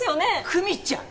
久実ちゃん